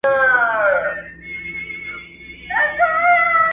ساقي د میو ډک جامونه په نوبت وېشله!.